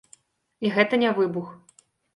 І гэта не выбух.